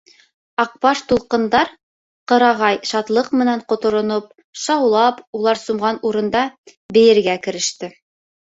Аҡбаш тулҡындар, ҡырағай шатлыҡ менән ҡотороноп, шаулап, улар сумған урында бейергә кереште.